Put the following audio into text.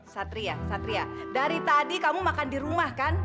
satria satria dari tadi kamu makan di rumah kan